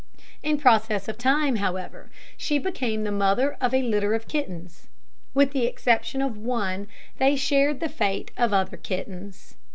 In process of time, however, she became the mother of a litter of kittens. With the exception of one, they shared the fate of other kittens.